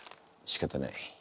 しかたない。